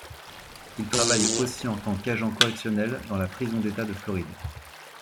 Il travaille aussi en tant qu’agent correctionnel dans la prison d'État de Floride.